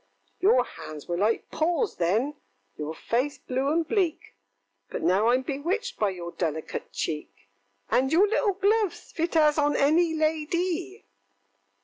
ŌĆöŌĆ£Your hands were like paws then, your face blue and bleak, But now IŌĆÖm bewitched by your delicate cheek, And your little gloves fit as on any la dy!